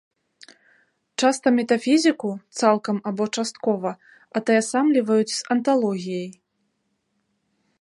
Часта метафізіку, цалкам або часткова, атаясамліваюць з анталогіяй.